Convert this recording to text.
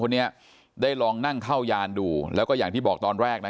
เนี้ยได้ลองนั่งเข้ายานดูแล้วก็อย่างที่บอกตอนแรกนะ